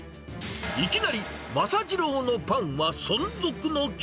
いきなり政次郎のパンは存続の危